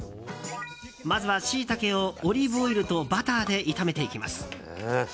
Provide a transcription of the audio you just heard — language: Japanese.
まずはシイタケをオリーブオイルとバターで炒めていきます。